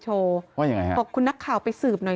คนอื่นไม่เท่าไหร่นะถ่านายร้วน